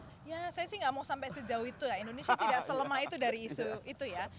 saya sih tidak mau sampai sejauh itu indonesia tidak selemah itu dari isu itu